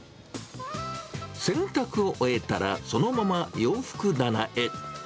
洗濯を終えたら、そのまま洋服棚へ。